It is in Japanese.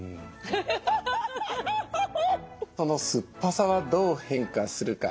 その酸っぱさはどう変化するか。